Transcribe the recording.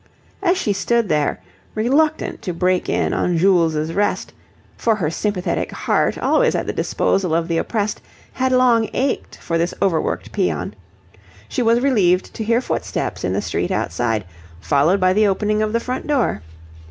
As she stood there, reluctant to break in on Jules' rest for her sympathetic heart, always at the disposal of the oppressed, had long ached for this overworked peon she was relieved to hear footsteps in the street outside, followed by the opening of the front door.